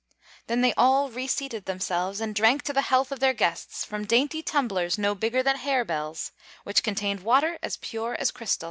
Then they all reseated themselves and drank to the health of their guests from dainty tumblers no bigger than harebells, which contained water as pure as crystal.